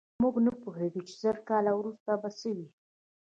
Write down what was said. موږ نه پوهېږو چې زر کاله وروسته به څه وي.